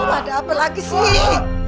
ada apa lagi sih